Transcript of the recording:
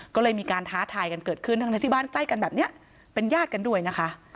ก็เลยมีการท้าทายกันเกิดขึ้นทั้งที่บ้านใกล้กันแบบนี้เป็นญาติกันด้วยนะคะ